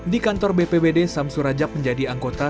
di kantor bpbd sam surajab menjadi anggota